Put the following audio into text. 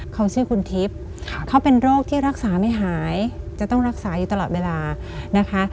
เขาชื่อคุณทิพย์เขาเป็นโรคที่รักษาไม่หายจะต้องรักษาอยู่ตลอดเวลานะคะ